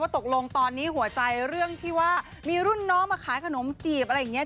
ตกลงตอนนี้หัวใจเรื่องที่ว่ามีรุ่นน้องมาขายขนมจีบอะไรอย่างนี้